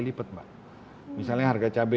lipat mbak misalnya harga cabai